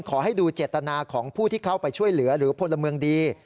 ขอให้ดูเจตนาของผู้ที่เข้าไปช่วยเหลือหรือพลเมืองดี